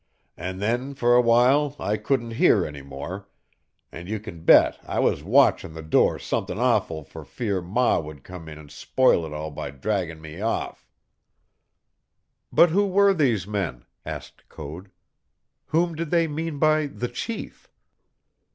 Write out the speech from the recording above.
An' then for a while I couldn't hear any more, an' you can bet I was watchin' the door somethin' awful for fear ma would come in an' spoil it all by draggin' me off." "But who were these men?" asked Code. "Whom did they mean by the chief?"